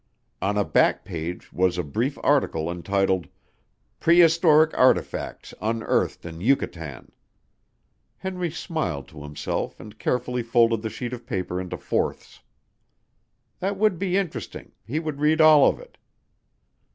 On a back page was a brief article entitled, "Prehistoric Artifacts Unearthed In Yucatan". Henry smiled to himself and carefully folded the sheet of paper into fourths. That would be interesting, he would read all of it.